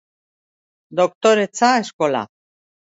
Doktoretza Eskola